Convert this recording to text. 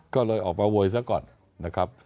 ก็เลยออกมาโวยซะก่อนนะครับ